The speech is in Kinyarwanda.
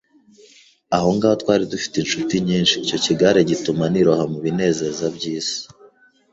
Aho ngaho twari dufite incuti nyinshi, icyo kigare gituma niroha mu binezeza by’isi